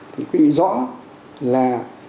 thì quy định rõ là